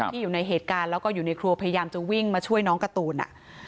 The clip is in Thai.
อยู่ในเหตุการณ์แล้วก็อยู่ในครัวพยายามจะวิ่งมาช่วยน้องการ์ตูน